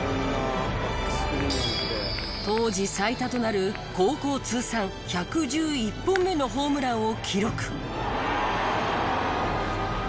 当時最多となる高校通算１１１本目のホームランを記録。